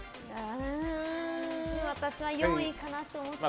私は４位かなと思ってるけど。